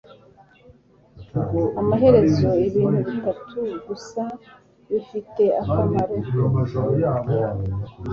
Amaherezo, ibintu bitatu gusa bifite akamaro: